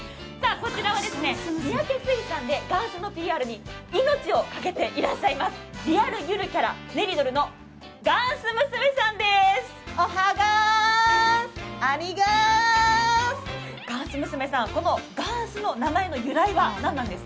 こちら、三宅水産でがんすのＰＲに命を懸けていらっしゃいます、リアルゆるキャラ練りドルのがんす娘さんです。